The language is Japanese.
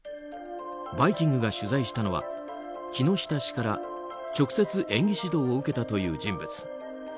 「バイキング」が取材したのは木下氏から直接演技指導を受けたという人物。